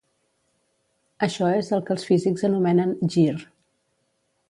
Això és el que els físics anomenen "gir".